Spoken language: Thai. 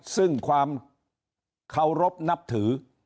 มีความเคารพนับถือ